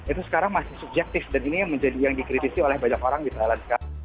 itu sekarang masih subjektif dan ini menjadi yang dikritisi oleh banyak orang di thailand sekarang